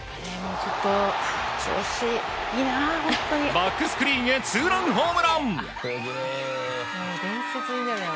バックスクリーンへツーランホームラン。